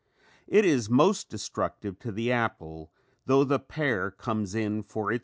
It is most destructive to the apple though the pear comes in for its share.